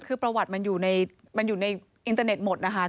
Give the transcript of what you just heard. คือประวัติมันอยู่ในอินเตอร์เน็ตหมดนะคะ